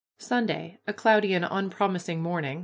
Sunday, a cloudy and unpromising morning.